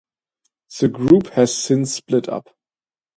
The group has since split up.